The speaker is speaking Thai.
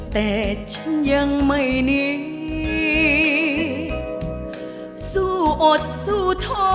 แต่ฉันยังไม่เหนียว